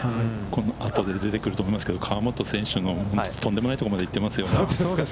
このあとで出てくると思いますけど、河本選手のとんでもないところまで行っていますよ。